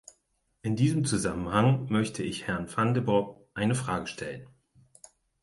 In diesem Zusammenhang möchte ich Herrn Van de Broek eine Frage stellen.